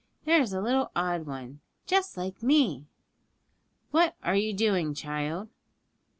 there is a little odd one, just like me!' 'What are you doing, child?'